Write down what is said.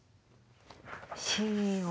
「ＣＥＯ」。